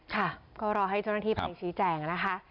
ค่ะก็รอให้เจ้าหน้าที่ไปชี้แจงนะคะ